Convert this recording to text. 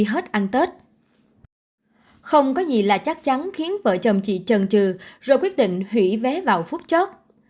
hết ăn tết không có gì là chắc chắn khiến vợ chồng chị trần trừ rồi quyết định hủy vé vào phút chót